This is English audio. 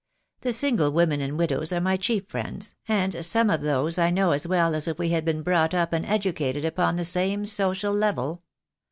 The single women and widows are my chief friends, and some of those I know as well as if we had been brought up and educated upon the same social level.